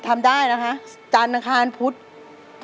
ไม่รวมครับ